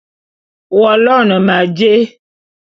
W'aloene ma jé?